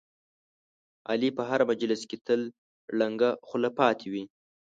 علي په هر مجلس کې تل ړنګه خوله پاتې وي.